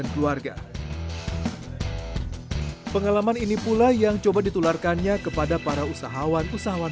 keluarga pengalaman ini pula yang coba ditularkannya kepada para usahawan usahawan